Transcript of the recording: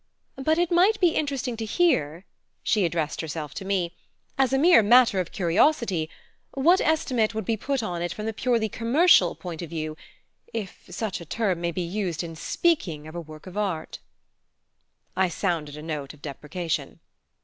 "But it might be interesting to hear" she addressed herself to me "as a mere matter of curiosity what estimate would be put on it from the purely commercial point of view if such a term may be used in speaking of a work of art." I sounded a note of deprecation.